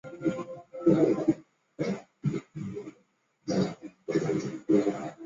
郑君炽生于香港。